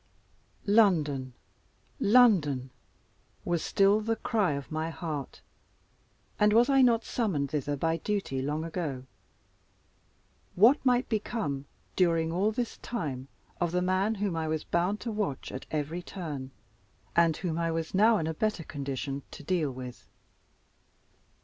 London! London! was still the cry of my heart; and was I not summoned thither by duty long ago? What might become, during all this time, of the man whom I was bound to watch at every turn, and whom I was now in a better condition to deal with?